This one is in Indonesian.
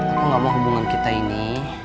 aku gak mau hubungan kita ini